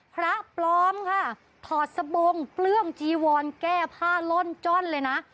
พระปลอมค่ะถอดสบงเปลื้องจีวอนแก้ผ้าล่อนจ้อนเลยนะ